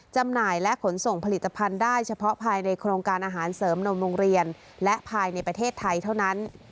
จำหน่ายและขนส่งผลิตภัณฑ์ได้เฉพาะภายในโครงการอาหารเสริมนมโรงเรียนและภายในประเทศไทยเท่านั้น